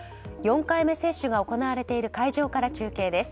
４回目接種が行われている会場から中継です。